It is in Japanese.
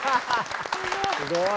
すごい。